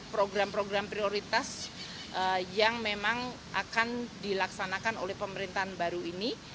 program program prioritas yang memang akan dilaksanakan oleh pemerintahan baru ini